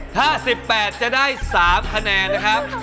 ถ้า๑๘จะได้๓คะแนนนะครับ